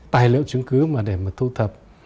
tài liệu chứng cứ mà để mà thu thập